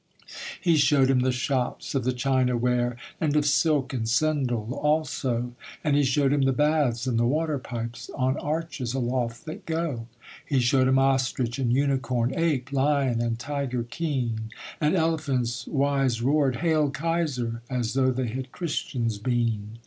He showed him the shops of the china ware, And of silk and sendal also, And he showed him the baths and the waterpipes On arches aloft that go. He showed him ostrich and unicorn, Ape, lion, and tiger keen; And elephants wise roared 'Hail Kaiser!' As though they had Christians been.